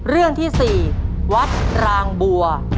เรื่องที่๔วัดรางบัว